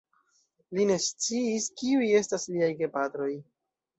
Li ne sciis, kiuj estas liaj gepatroj.